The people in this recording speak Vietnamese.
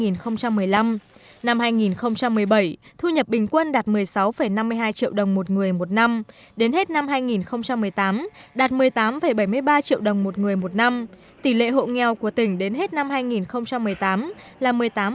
năm hai nghìn một mươi bảy thu nhập bình quân đạt một mươi sáu năm mươi hai triệu đồng một người một năm đến hết năm hai nghìn một mươi tám đạt một mươi tám bảy mươi ba triệu đồng một người một năm tỷ lệ hộ nghèo của tỉnh đến hết năm hai nghìn một mươi tám là một mươi tám